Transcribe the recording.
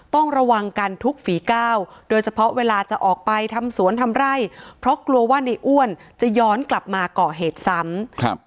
ต้องระวังกันทุกฝีก้าวโดยเฉพาะเวลาจะออกไปทำสวนทำไร่เพราะกลัวว่าในอ้วนจะย้อนกลับมาก่อเหตุซ้ำครับ